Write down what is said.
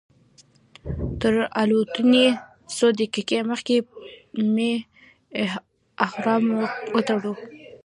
تر الوتنې څو دقیقې مخکې مې احرام وتړلو.